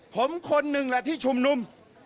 ผมคนหนึ่งแหละที่ชุมนุม